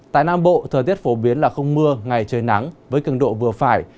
tại nam bộ thời tiết phổ biến là không mưa ngày trời nắng với cường độ vừa phải